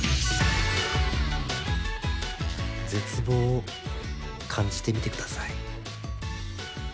絶望を感じてみてください。